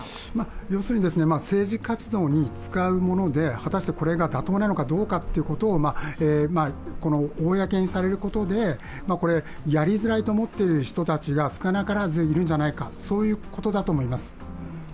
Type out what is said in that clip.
要するに、政治活動に使うもので、果たしてこれが妥当なのかどうかということを公にされることで、やりづらいと思っている人たちが少なからずいるんじゃないかということだと思います。